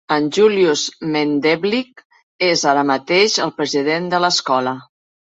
En Julius Medenblik és ara mateix el president de l'escola.